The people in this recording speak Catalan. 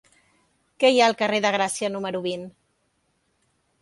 Què hi ha al carrer de Gràcia número vint?